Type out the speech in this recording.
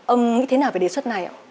ông nghĩ thế nào về đề xuất này ạ